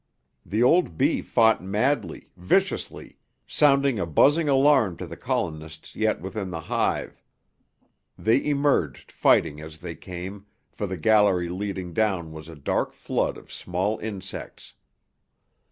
The old bee fought madly, viciously, sounding a buzzing alarm to the colonists yet within the hive. They emerged, fighting as they came, for the gallery leading down was a dark flood of small insects.